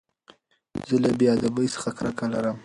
زه له بې ادبۍ څخه کرکه لرم.